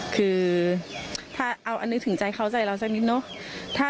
คือถ้าเอานึกถึงใจเขาใจเราสักนิดเนอะ